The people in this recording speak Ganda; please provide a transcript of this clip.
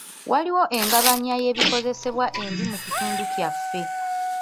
Waliwo engabanya y'ebikozesebwa embi mu kitundu kyaffe.